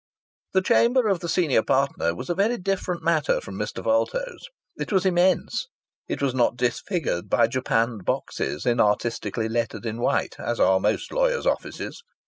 The chamber of the senior partner was a very different matter from Mr. Vulto's. It was immense. It was not disfigured by japanned boxes inartistically lettered in white, as are most lawyer's offices.